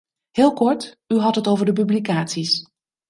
Heel kort: u had het over de publicaties.